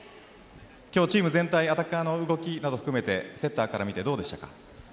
今日、チーム全体アタッカーの動きなど含めてセッターから見てどうでしたか？